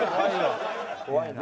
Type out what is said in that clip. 怖いな。